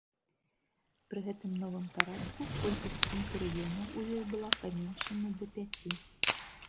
Пры гэтым новым парадку колькасць цэнтурыёнаў у ёй была паменшана да пяці.